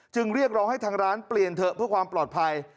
เรียกร้องให้ทางร้านเปลี่ยนเถอะเพื่อความปลอดภัย